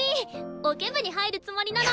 オケ部に入るつもりなの。